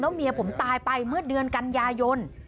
เมียผมตายไปเมื่อเดือนกันยายน